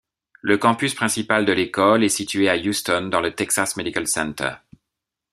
Le campus principal de l'école est située à Houston dans le Texas Medical Center.